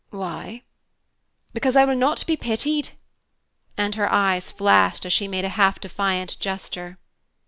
"Why?" "Because I will not be pitied!" And her eyes flashed as she made a half defiant gesture.